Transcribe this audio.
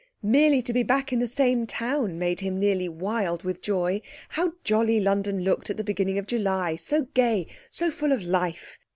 Merely to be back in the same town made him nearly wild with joy. How jolly London looked at the beginning of July! So gay, so full of life.